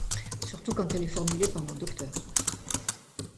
Surtout quand elle est formulée par mon docteur.